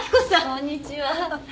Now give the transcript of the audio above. こんにちは。